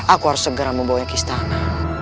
aku harus segera membawanya ke istana